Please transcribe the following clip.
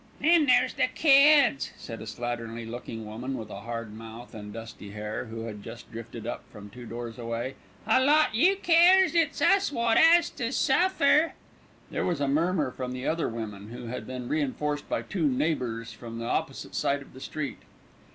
"Then there's the kids," said a slatternly looking woman with a hard mouth and dusty hair, who had just drifted up from two doors away. "A lot you cares. It's us wot 'as to suffer." There was a murmur from the other women, who had been reinforced by two neighbours from the opposite side of the street.